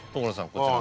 こちら。